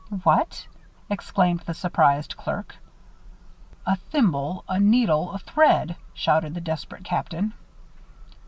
"What!" exclaimed the surprised clerk. "A thimble, a needle, a thread!" shouted the desperate Captain.